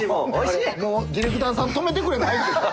「ディレクターさん止めてくれ」の合図でしょ？